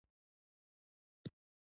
شیخ عمر راته یو ځای راوښود.